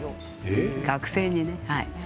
学生にね。